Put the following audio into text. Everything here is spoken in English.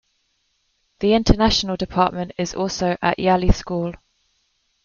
The international department is also at Yali School.